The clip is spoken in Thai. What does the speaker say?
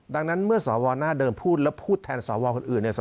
ดังนั้นเมื่อสอฟร์หน้าเดิมพูดแล้วพูดแทนสอฟร์ส่วนอื่น